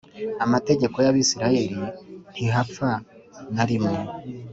Amategeko y Abisirayeli ntihapfa na rimwe